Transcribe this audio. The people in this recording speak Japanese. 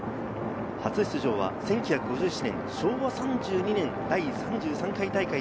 初出場は１９５７年、昭和３２年第３３回大会。